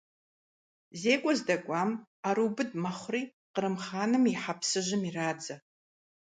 ЗекӀуэ здэкӀуам, Ӏэрыубыд мэхъури, Кърым хъаным и хьэпсыжьым ирадзэ.